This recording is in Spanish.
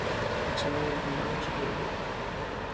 La sede del condado es Auburn.